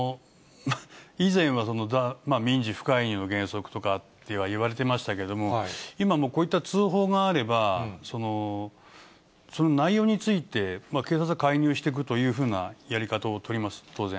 以前は、民事不介入の原則とか言われていましたけれども、今もうこういった通報があれば、その内容について、警察が介入していくというふうなやり方を取ります、当然。